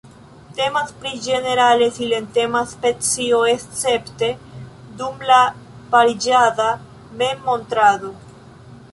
Temas pri ĝenerale silentema specio, escepte dum la pariĝada memmontrado.